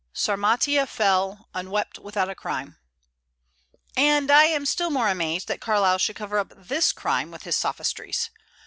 "Sarmatia fell, unwept, without a crime." And I am still more amazed that Carlyle should cover up this crime with his sophistries.